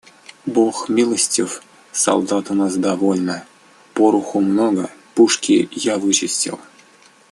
– Бог милостив: солдат у нас довольно, пороху много, пушку я вычистил.